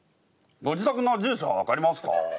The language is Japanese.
ごじたくの住所は分かりますか？